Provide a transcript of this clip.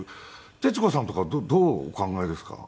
徹子さんとかどうお考えですか？